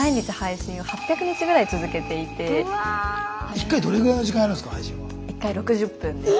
一回どれぐらいの時間やるんですか？